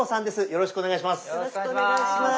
よろしくお願いします。